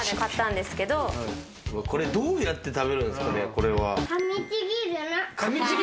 これどうやって食べるんですか？